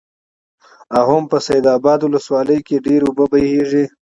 او هم په سيدآباد ولسوالۍ ډېرې اوبه بهيږي،